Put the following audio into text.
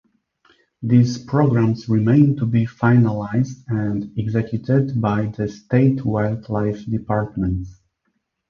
These programs remain to be finalised and executed by the state wildlife departments.